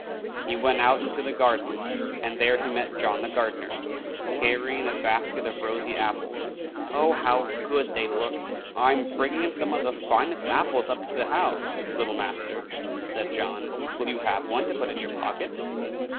He went out into the garden, and there he met John the gardener, carrying a basket of rosy apples. Oh! how good they looked! "I am bringing some of the finest apples up to the house, little master," said John. "Will you have one to put in your pocket?"